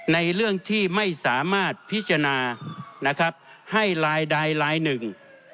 ในเรื่องที่ไม่สามารถพิจารณานะครับให้ลายใดลายหนึ่ง